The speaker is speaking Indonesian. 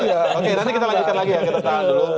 oke nanti kita lanjutkan lagi ya